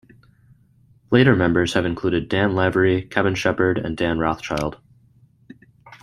Later members have included Dan Lavery, Kevin Shepard, and Dan Rothchild.